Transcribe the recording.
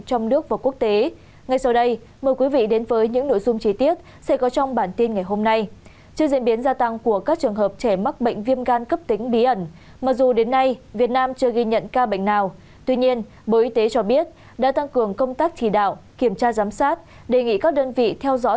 tổng hợp tình hình phân tích dịch tế bệnh viêm gan cấp tính không rõ nguyên nhân trên thế giới